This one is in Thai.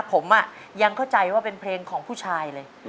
ผมยังเข้าใจว่าเป็นเพลงของผู้ชายเลย